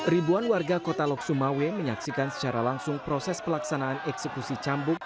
ribuan warga kota lok sumawe menyaksikan secara langsung proses pelaksanaan eksekusi cambuk